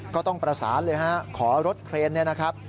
ก็ต้องประสานเลยฮะขอรถเครนเนี่ยนะครับ